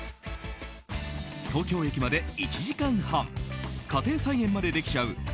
東京駅まで１時間半家庭菜園までできちゃう